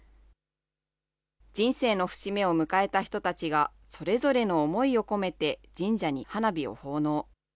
人生の節目を迎えた人たちが、それぞれの思いを込めて、神社に花火を奉納。